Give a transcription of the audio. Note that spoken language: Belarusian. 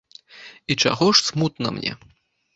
І чаго ж смутна мне?